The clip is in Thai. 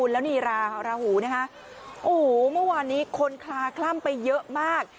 แล้วนี่ราหูนะคะโอ้โหเมื่อวานนี้คนคลาคล่ำไปเยอะมาก